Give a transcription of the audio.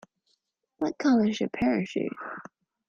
What colour is your parachute?